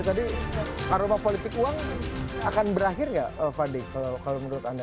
tadi aroma politik uang akan berakhir nggak fadli kalau menurut anda